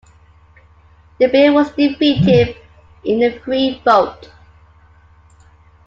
The bill was defeated in a free vote.